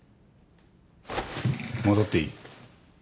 戻っていい。